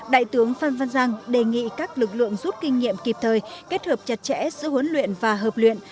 đại tướng phan văn giang đề nghị các lực lượng rút kinh nghiệm kịp thời kết hợp chặt chẽ giữa huấn luyện và hợp luyện